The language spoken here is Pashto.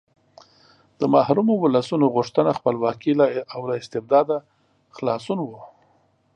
د محرومو ولسونو غوښتنه خپلواکي او له استبداده خلاصون و.